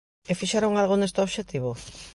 ¿E fixeron algo neste obxectivo?